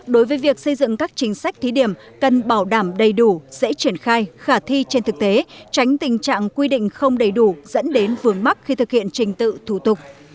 đối với việc xây dựng các chính sách thí điểm cần bảo đảm đầy đủ dễ triển khai khả thi trên thực tế tránh tình trạng quy định không đầy đủ dẫn đến vương mắc khi thực hiện trình tự thủ tục